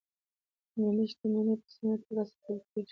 ملي شتمنۍ په سمه توګه ساتل کیږي.